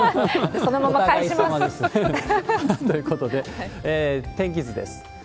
そのままです。ということで、天気図です。